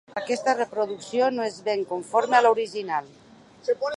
Aquesta reproducció no és ben conforme a l'original.